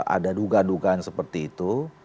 ada duga dugaan seperti itu